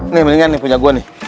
nih mendingan nih punya gue nih